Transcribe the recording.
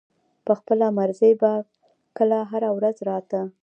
پۀ خپله مرضۍ به کله هره ورځ راتۀ